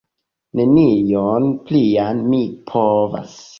Nenion plian mi povas!